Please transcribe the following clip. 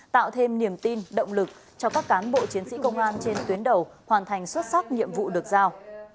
tạo thêm niềm tin động lực cho các cán bộ chiến sĩ công an trên tuyến đầu hoàn thành xuất sắc nhiệm vụ được giao